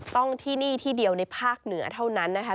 ต้องที่นี่ที่เดียวในภาคเหนือเท่านั้นนะคะ